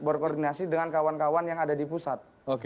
berkoordinasi dengan kawan kawan yang ada di pusat